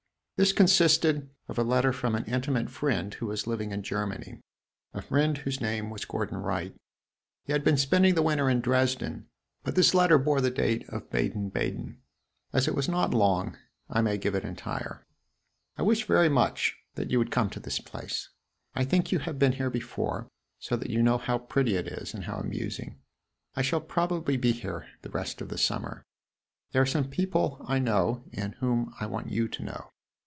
This consisted of a letter from an intimate friend who was living in Germany a friend whose name was Gordon Wright. He had been spending the winter in Dresden, but his letter bore the date of Baden Baden. As it was not long, I may give it entire. "I wish very much that you would come to this place. I think you have been here before, so that you know how pretty it is, and how amusing. I shall probably be here the rest of the summer. There are some people I know and whom I want you to know.